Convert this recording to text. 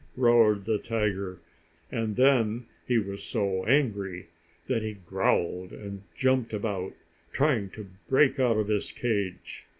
Wow! Wuff!" roared the tiger. And then he was so angry that he growled and jumped about, trying to break out of his cage.